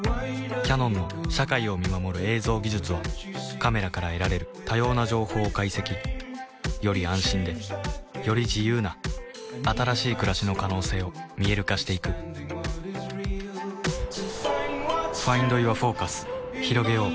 キヤノンの社会を見守る映像技術はカメラから得られる多様な情報を解析より安心でより自由な新しい暮らしの可能性を見える化していくひろげよう